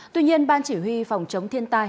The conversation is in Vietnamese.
tuy nhiên ban chỉ huy phòng chống thiên tai